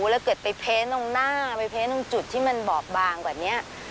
แล้วเกิดไปเพ้นตรงหน้าไปเพ้นตรงจุดที่มันบอบบางกว่านี้